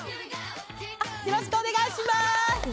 よろしくお願いします。